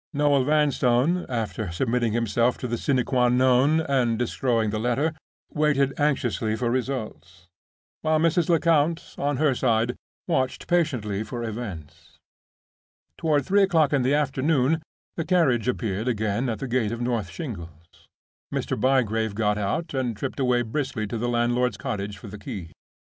Noel Vanstone (after submitting himself to the sine qua non, and destroying the letter) waited anxiously for results; while Mrs. Lecount, on her side, watched patiently for events. Toward three o'clock in the afternoon the carriage appeared again at the gate of North Shingles. Mr. Bygrave got out and tripped away briskly to the landlord's cottage for the key.